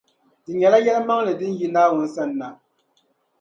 Di nyɛla yɛlimaŋli din yi Naawuni sani na.